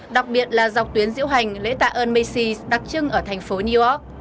đặc biệt là dọc tuyến diễu hành lễ tạm ơn macy s đặc trưng ở thành phố new york